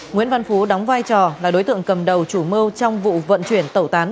nguyễn văn phú đóng vai trò là đối tượng cầm đầu chủ mưu trong vụ vận chuyển tẩu tán